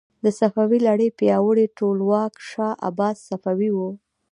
د صفوي لړۍ پیاوړی ټولواک شاه عباس صفوي و.